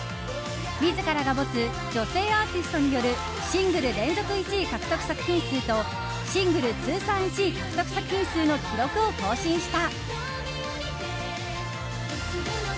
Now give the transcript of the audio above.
自らが持つ女性アーティストによるシングル連続１位獲得作品数とシングル通算１位獲得作品数の記録を更新した。